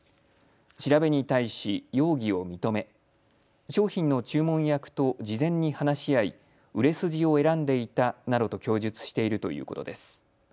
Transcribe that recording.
調べに対し容疑を認め、商品の注文役と事前に話し合い売れ筋を選んでいたなどと供述しているということです。